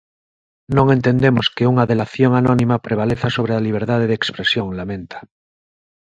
Non entendemos que unha delación anónima prevaleza sobre a liberdade de expresión, lamenta.